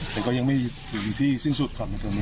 แต่ก็ยังไม่อยู่ที่สิ้นสุดครับ